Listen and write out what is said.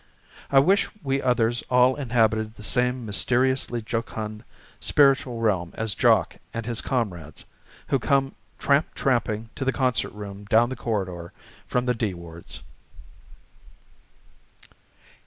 I wish we others all inhabited the same mysteriously jocund spiritual realm as Jock and his comrades, who come tramp tramping to the concert room down the corridor from the D wards.